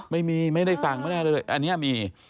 ไม่มีไม่ได้สั่งไม่แน่เลยอันนี้มี